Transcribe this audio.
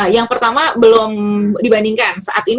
yang pertama belum dibandingkan